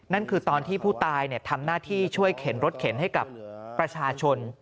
นั่นคือตอนที่ผู้ตายทำหน้าที่ช่วยเข็นรถเข็นให้กับประชาชน